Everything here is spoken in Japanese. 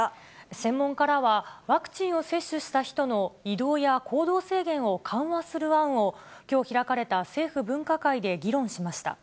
専門家らは、ワクチンを接種した人の移動や行動制限を緩和する案を、きょう開かれた政府分科会で議論しました。